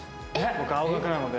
僕青学なので。